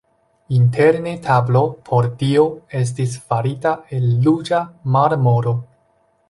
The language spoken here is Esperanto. Interne tablo por Dio estis farita el ruĝa marmoro.